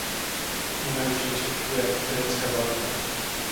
Nie ma już czegoś takiego jak grecka waluta